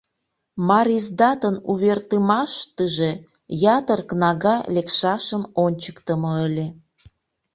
Мариздатын увертымаштыже ятыр кнага лекшашым ончыктымо ыле.